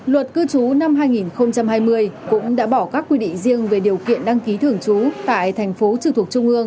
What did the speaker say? luật cư chú năm hai nghìn hai mươi cũng đã bỏ các quy định riêng về điều kiện đăng ký thưởng chú tại tp t t